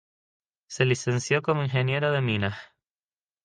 Se licenció como ingeniero de minas.